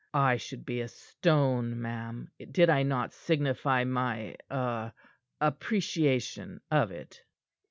"I should be a stone, ma'am, did I not signify my ah appreciation of it."